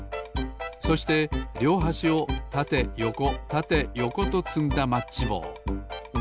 そしてりょうはしをたてよこたてよことつんだマッチぼう。